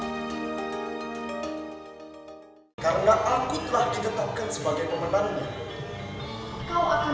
terus refused kisah kisah bukan saja kekuatan kisah rakyat itu sendiri agar dicampur dengan mobil para penonton utama